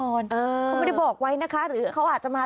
เขาไม่ได้บอกไว้นะคะหรือเขาอาจจะมา